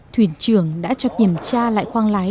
thuyền trưởng đã cho kiểm tra lại khoang lái